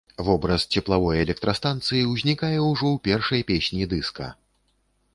Вобраз цеплавой электрастанцыі ўзнікае ўжо ў першай песні дыска.